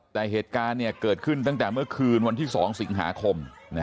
แต่เหตุการณ์เกิดขึ้นตั้งแต่เมื่อคืนวันที่๒สิงหาคม